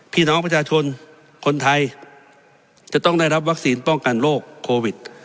พี่น้องประชาชนคนไทยจะต้องได้รับวัคซีนป้องกันโรคโควิด